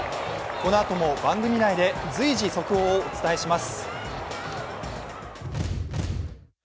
このあとも番組内で随時速報でお伝えします。